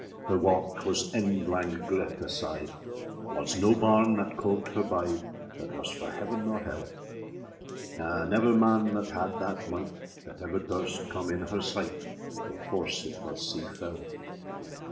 Her walke was endlang Greta syde, Was no barne that colde her byde, That was fra heven or helle; {130b} Ne never man that had that myght, That ever durst com in her syght, Her force it was sea felle.